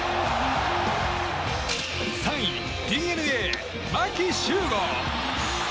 ３位ＤｅＮＡ、牧秀悟。